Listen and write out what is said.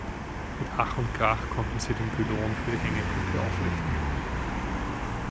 Mit Ach und Krach konnten sie den Pylon für die Hängebrücke aufrichten.